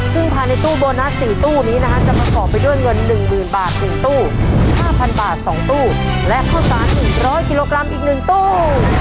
ซึ่งภายในตู้โบนัส๔ตู้นี้นะฮะจะประกอบไปด้วยเงิน๑๐๐๐บาท๑ตู้๕๐๐บาท๒ตู้และข้าวสาร๑๐๐กิโลกรัมอีก๑ตู้